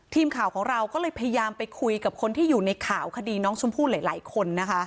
ทีมข่าวของเราก็เลยพยายามไปคุยกับคนที่อยู่ในข่าวคดีน้องชมพู่หลายคนนะคะ